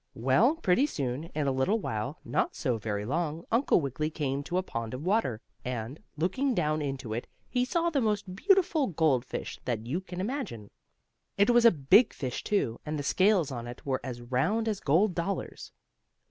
Well, pretty soon, in a little while, not so very long, Uncle Wiggily came to a pond of water, and, looking down into it, he saw the most beautiful goldfish that you can imagine. It was a big fish, too, and the scales on it were as round as gold dollars.